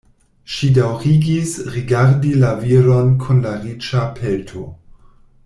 Ŝi daŭrigis rigardi la viron kun la riĉa pelto.